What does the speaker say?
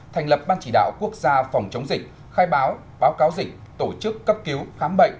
thành lập ban chỉ đạo quốc gia phòng chống dịch khai báo báo cáo dịch tổ chức cấp cứu khám bệnh